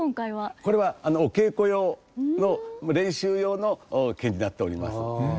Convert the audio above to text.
これはお稽古用の練習用の毛になっております。